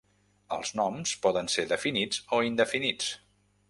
Els noms poden ser definits o indefinits.